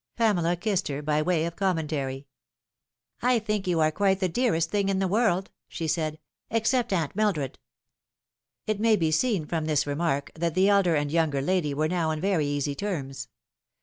Pamela kissed her, by way of commentary. " I think you are quite the dearest thing in the world," she said, " except Aunt Mildred." It may be seen from this remark that the elder and younger lady were BOW on very easy terms.